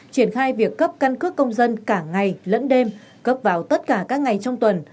triển khai việc cấp căn cước công dân cả ngày lẫn đêm cấp vào tất cả các ngày trong tuần